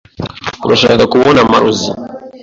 Urashaka kubona amarozi?